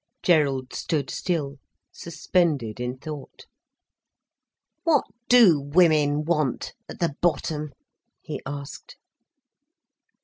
Gerald stood still, suspended in thought. "What do women want, at the bottom?" he asked.